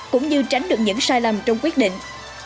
cũng như tránh được những sai lầm trong quyết định